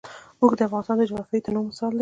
اوښ د افغانستان د جغرافیوي تنوع مثال دی.